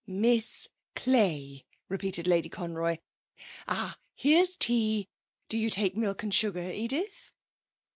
'Miss Clay,' repeated Lady Conroy. 'Ah, here's tea. Do you take milk and sugar. Edith?'